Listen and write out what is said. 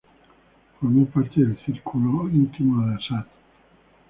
Formó parte del círculo íntimo de Assad.